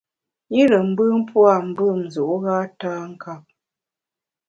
Yire mbùm pua’ mbùm nzu’ gha tâ nkap.